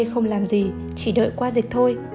không làm gì chỉ đợi qua dịch thôi